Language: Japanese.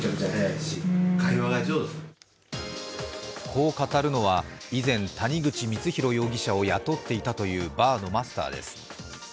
そう語るのは、以前、谷口光弘容疑者を雇っていたというバーのマスターです。